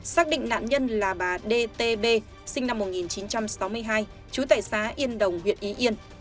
xác định nạn nhân là bà d t b sinh năm một nghìn chín trăm sáu mươi hai chú tài xá yên đồng huyện ý yên